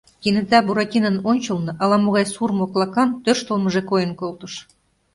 Кенета Буратинон ончылно ала-могай сур моклакан тӧрштылмыжӧ койын колтыш.